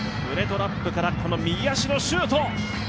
胸トラップから右足のシュート